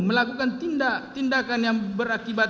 melakukan tindakan yang berakibat